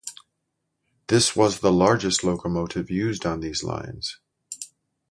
This was the largest locomotive used on these lines.